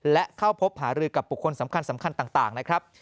และเข้าพบหารือกับบุคคลสำคัญต่างนะครับ